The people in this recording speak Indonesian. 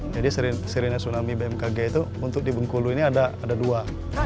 jadi sirine tsunami bmkg itu untuk di bengkulu ini ada dua